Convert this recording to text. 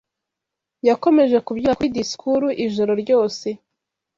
Yakomeje kubyina kuri disikuru ijoro ryose